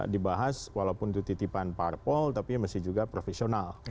dibahas walaupun itu titipan parpol tapi masih juga profesional